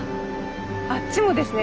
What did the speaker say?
あっちもですね。